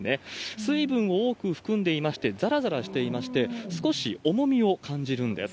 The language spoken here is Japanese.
水分を多く含んでいまして、ざらざらしていまして、少し重みを感じるんです。